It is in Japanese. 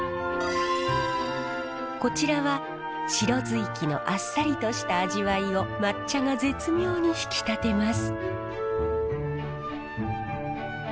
こちらは白ずいきのあっさりとした味わいを抹茶が絶妙に引き立てます。